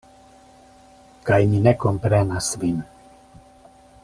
Kaj mi ne komprenas vin.